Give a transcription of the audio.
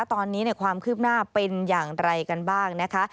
ตอนนี้ความคืบหน้าเป็นอย่างไรกันบ้างนะคะ